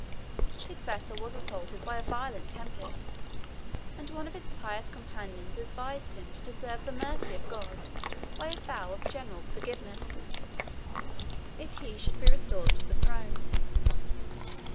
His vessel was assaulted by a violent tempest; and one of his pious companions advised him to deserve the mercy of God by a vow of general forgiveness, if he should be restored to the throne.